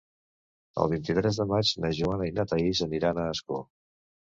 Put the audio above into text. El vint-i-tres de maig na Joana i na Thaís aniran a Ascó.